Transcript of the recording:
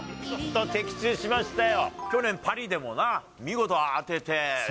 的中しましたよ。